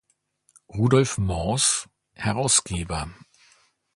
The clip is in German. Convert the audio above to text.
Rudolf Mors, hrsg.